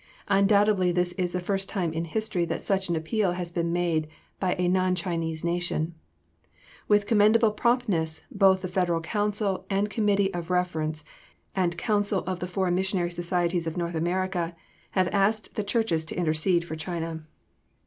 Undoubtedly this is the first time in history that such an appeal has been made by a non Christian nation. With commendable promptness both the Federal Council and Committee of Reference and Council of the Foreign Missionary Societies of North America have asked the churches to intercede for China.